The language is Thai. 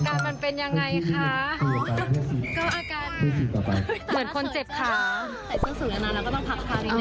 แต่เสื้อสูงอย่างนั้นเราต้องพักขาไปอีกแน่ค่ะ